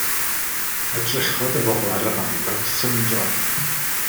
Edrychodd y bobl ar y ddau mewn syndod.